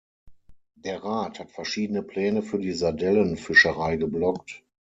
Der Rat hat verschiedene Pläne für die Sardellenfischerei geblockt.